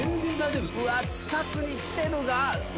うわっ近くに来てるが。